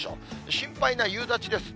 心配な夕立です。